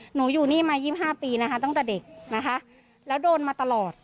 หนูอยู่นี่มา๒๕ปีนะคะตั้งแต่เด็กนะคะแล้วโดนมาตลอด